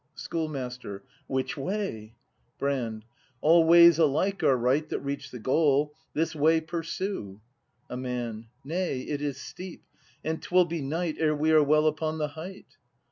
Schoolmaster. Which way? Brand. All ways alike are right That reach the goal. This way pursue A Man. Nay, it is steep, and 'twill be night Ere we are well upon the height.